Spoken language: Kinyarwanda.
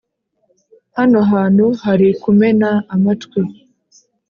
hano hantu hari kumena amatwi,